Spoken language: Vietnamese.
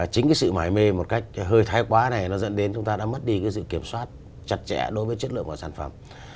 chính cái sự mải mê một cách hơi thái quá này nó dẫn đến chúng ta đã mất đi cái sự kiểm soát chặt chẽ đối với chất lượng của sản phẩm